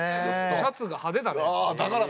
シャツが派手だから！